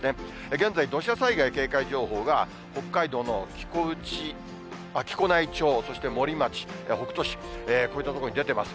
現在、土砂災害警戒情報が、北海道の木古内町、そして森町、北斗市、こういった所に出てます。